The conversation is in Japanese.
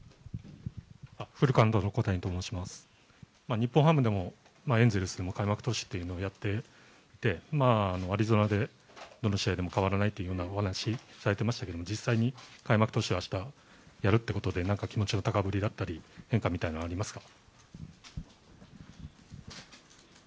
日本ハムでもエンゼルスでも開幕投手というのをやっていてアリゾナでどの試合でも変わらないというお話をされていましたけど、実際に開幕投手、明日やるということで気持ちのたかぶりだったり変化みたいなのはありますか？